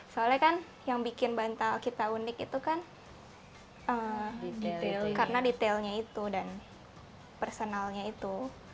soalnya kan yang bikin bantal kita unik itu kan karena detailnya itu dan personalnya itu